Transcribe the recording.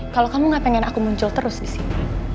kalau kamu gak pengen aku muncul terus disini